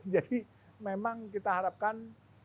jadi memang kita harapkan